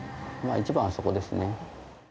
一番はそこですね。